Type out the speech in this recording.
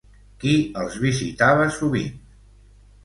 Qui els visitava sovint?